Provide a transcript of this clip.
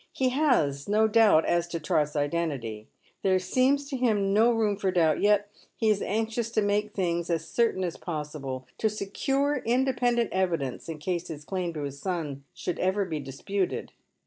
He has «o doubt aa to Trot's identity — tliere seems to him no room for doubt, yet he is anxious to make things as certain as possible — to secure independent evidence in case his claim to his son should ever be disputed.